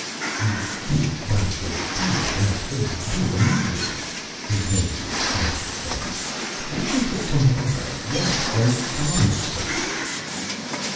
"You need not go through with the next phase of the duel immediately," his Minister of Defense was saying. "Wait until tomorrow. Rest and calm yourself."